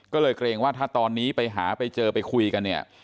ก็เลยเกรงว่าถ้าตอนนี้ไปหาไปเจอไปคุยกันเนี่ย